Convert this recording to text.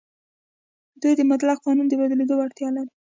دوی د مطلق قانون د بدلېدو وړتیا لري.